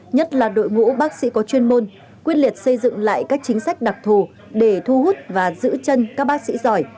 nhất là đội ngũ bác sĩ có chuyên môn quyết liệt xây dựng lại các chính sách đặc thù để thu hút và giữ chân các bác sĩ giỏi